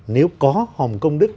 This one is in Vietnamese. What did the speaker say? nếu có hồng kông đức